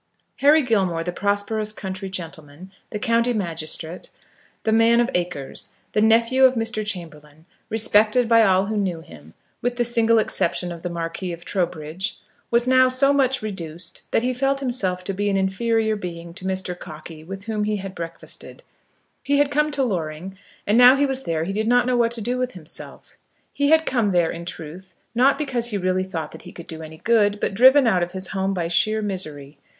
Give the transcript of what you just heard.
Harry Gilmore, the prosperous country gentleman, the county magistrate, the man of acres, the nephew of Mr. Chamberlaine, respected by all who knew him, with the single exception of the Marquis of Trowbridge, was now so much reduced that he felt himself to be an inferior being to Mr. Cockey, with whom he breakfasted. He had come to Loring, and now he was there he did not know what to do with himself. He had come there, in truth, not because he really thought he could do any good, but driven out of his home by sheer misery.